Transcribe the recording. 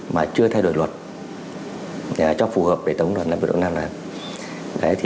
mà chưa thay đổi luật cho phù hợp với tổng liên đoàn làm việc động đoàn ản